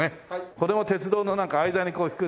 これも鉄道のなんか間にこう引くね